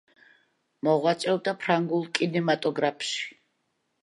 მოღვაწეობდა ფრანგულ კინემატოგრაფში.